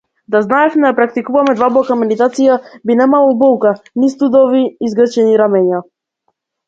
Да знаевме да практикуваме длабока медитација, би немало болка, ни студови и згрчени рамења.